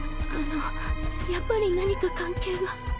あのやっぱり何か関係が。